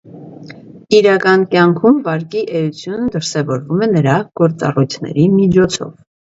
Իրական կյանքում վարկի էությունն դրսևորվում է նրա գործառույթների միջոցով։